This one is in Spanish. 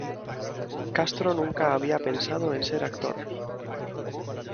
Castro nunca había pensado en ser actor.